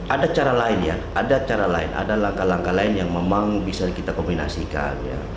ada cara lain ya ada cara lain ada langkah langkah lain yang memang bisa kita kombinasikan